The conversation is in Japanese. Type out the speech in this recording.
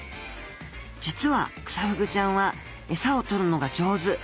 実はクサフグちゃんはエサを取るのが上手。